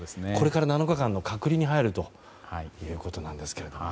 これから７日間の隔離に入るということです。